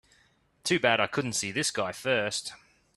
Too bad I couldn't see this guy first.